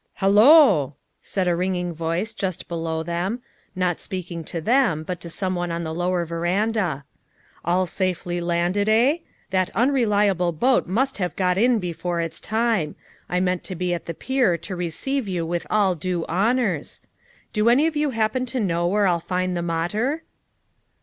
"Hello!" said a ringing voice just below them; not speaking to them but to some one on the lower veranda. "All safely landed, 72 FOUR MOTHERS AT CHAUTAUQUA eli? that unreliable boat must have got in be fore its time j I meant to be at the pier to re ceive you with all due honors. Do any of you happen to know where I'll find the mater?"